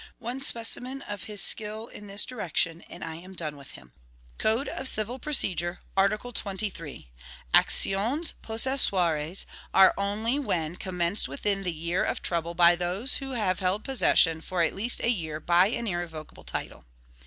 One specimen of his skill in this direction, and I am done with him: Code of Civil Procedure, Art. 23: "Actions possessoires are only when commenced within the year of trouble by those who have held possession for at least a year by an irrevocable title."